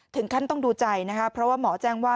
ถึงขั้นต้องดูใจนะคะเพราะว่าหมอแจ้งว่า